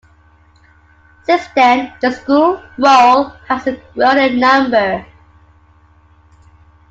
Since then, the school roll has grown in number.